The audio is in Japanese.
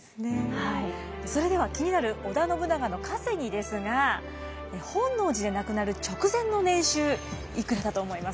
それでは気になる織田信長の稼ぎですが本能寺で亡くなる直前の年収いくらだと思いますか。